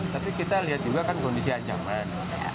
tapi kita lihat juga kan kondisi ancaman